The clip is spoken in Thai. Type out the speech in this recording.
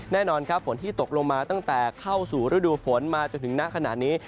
แน่นอนครับฝนที่ตกลงมาตั้งแต่เข้าสู่ฤดูฝนมาจนถึงณขณะนี้